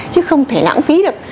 chứ không thể lãng phí được